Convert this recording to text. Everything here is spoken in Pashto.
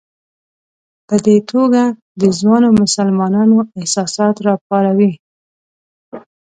په دې توګه د ځوانو مسلمانانو احساسات راپاروي.